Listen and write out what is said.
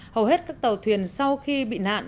hầu hết các tàu thuyền sau khi bị nạn